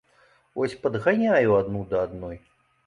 Вось падганяю адну да адной.